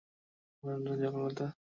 তারপর অনেকক্ষন কথা নেই, চলল পাতা ওলটানো।